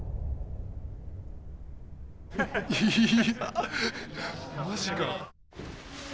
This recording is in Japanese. いやマジか。